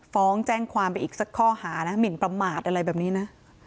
ฟ้องแจ้งความไปอีกสักข้อหานะหมินประมาทอะไรแบบนี้นะ